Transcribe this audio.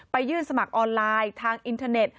ยื่นสมัครออนไลน์ทางอินเทอร์เน็ต